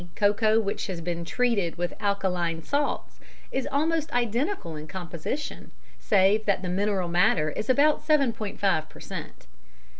_, cocoa which has been treated with alkaline salts, is almost identical in composition, save that the mineral matter is about 7.5 per cent.).